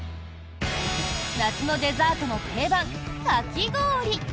夏のデザートの定番、かき氷。